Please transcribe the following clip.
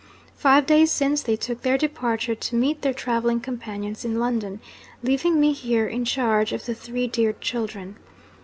Five days since, they took their departure to meet their travelling companions in London; leaving me here in charge of the three dear children.